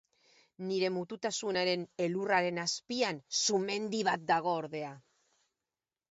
Nire mututasunaren elurraren azpian sumendi bat dago, ordea.